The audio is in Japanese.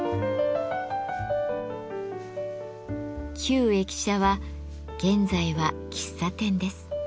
旧駅舎は現在は喫茶店です。